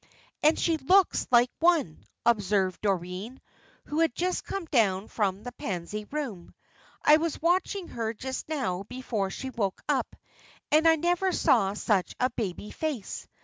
"And she looks like one," observed Doreen, who had just come down from the Pansy Room. "I was watching her just now before she woke up, and I never saw such a baby face.